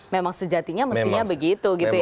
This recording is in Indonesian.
memang sejatinya mestinya begitu gitu ya